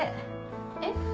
えっ？